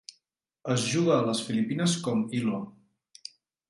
Es juga a les Filipines com hi-lo.